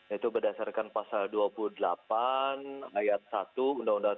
itu berdasarkan pasal dua puluh delapan ayat satu undang undang satu ratus lima puluh lima